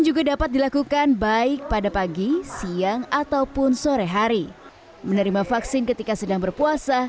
juga dapat dilakukan baik pada pagi siang ataupun sore hari menerima vaksin ketika sedang berpuasa